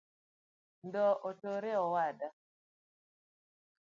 Ndoo otore owada